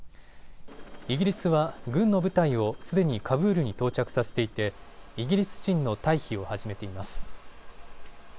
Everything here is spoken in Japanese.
イギリスは軍の部隊をすでにカブールに到着させていてイギリス人の退避を始めています。